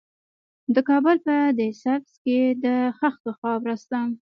د کابل په ده سبز کې د خښتو خاوره شته.